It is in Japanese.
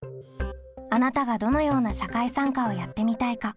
あなたがどのような社会参加をやってみたいか。